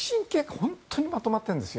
本当にまとまってるんです。